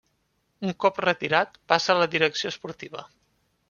Un cop retirat, passa a la direcció esportiva.